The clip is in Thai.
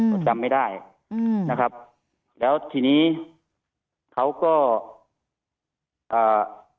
ก็จำไม่ได้อืมนะครับแล้วทีนี้เขาก็อ่า